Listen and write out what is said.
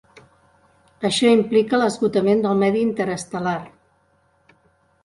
Això implica l'esgotament del medi interestel·lar.